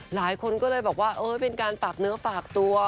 หลายคนก็เลยบอกว่าเป็นการฝากเนื้อฝากตัว